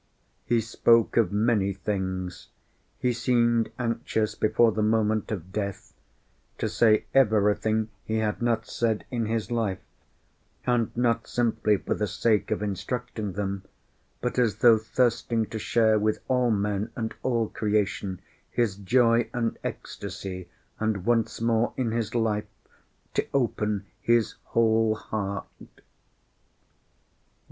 He spoke of many things, he seemed anxious before the moment of death to say everything he had not said in his life, and not simply for the sake of instructing them, but as though thirsting to share with all men and all creation his joy and ecstasy, and once more in his life to open his whole heart.